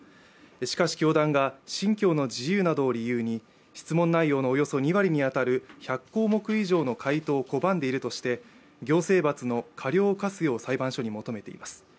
しかし、教団が信教の自由などを理由に質問内容のおよそ２割に当たる１００項目以上の回答を拒んでいるとして行政罰の過料を科すよう裁判所に求めています。